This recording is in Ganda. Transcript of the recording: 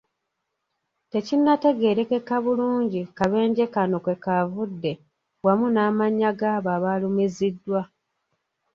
Tekinnategeereka bulungi kabenje kano kwekavudde, wamu n'amannya gaabo abalumiziddwa.